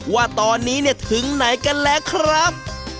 ว่าตอนนี้เนี่ยถึงไหนกันแล้วครับ